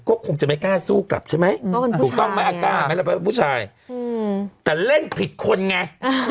ก็คงจะไม่กล้าสู้กลับใช่ไหมก็คือผู้ชายแต่เล่นผิดคนไง